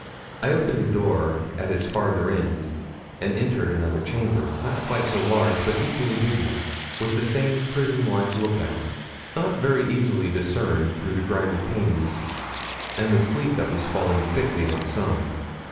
I opened a door at its farther end, and entered another chamber, not quite so large, but equally dismal, with the same prison like look out, not very easily discerned through the grimy panes and the sleet that was falling thickly outside.